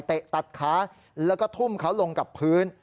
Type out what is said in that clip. ตัดขาแล้วก็ทุ่มเขาลงกับพื้น